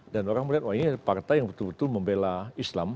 dan orang melihat ini partai yang betul betul membela islam